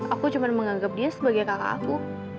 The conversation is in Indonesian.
aku cuma menganggap dia sebagai kakak aku